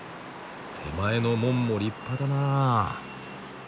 手前の門も立派だなあ。